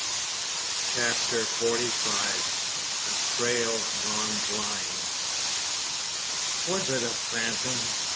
CHAPTER FORTY FIVE. A TRAIL GONE BLIND. Was it a phantom?